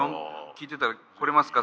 聴いてたら来れますか？